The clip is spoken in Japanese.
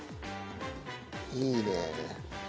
いいね。